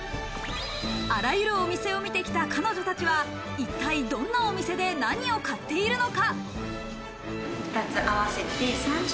あらゆるお店を見てきた彼女たちは、一体どんなお店で何を買っているのか？